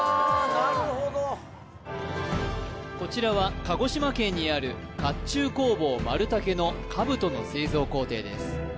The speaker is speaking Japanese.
なるほどこちらは鹿児島県にある甲冑工房丸武の兜の製造工程です